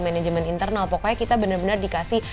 manajemen internal pokoknya kita bener bener dikasih